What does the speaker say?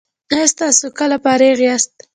ایا تاسو کله فارغ یاست؟